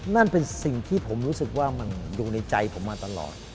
นั่นเป็นสิ่งที่ผมรู้สึกว่ามันอยู่ในใจผมมาตลอด